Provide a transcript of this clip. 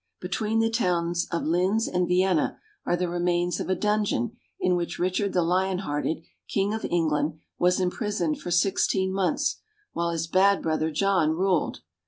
Between the towns of Linz and Vienna are the remains of a dungeon in which Richard the Lion hearted, king of England, was imprisoned for sixteen months, while his bad brother John ruled.